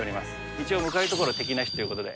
一応、向かうところ敵なしっていうところで。